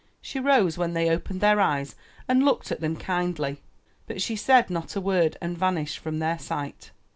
She rose when they opened their eyes, and looked at them kindly, but she said not a word and vanished from their sight.